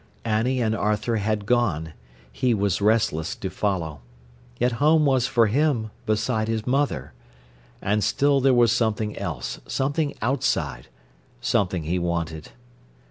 Annie and Arthur had gone. He was restless to follow. Yet home was for him beside his mother. And still there was something else, something outside, something he wanted.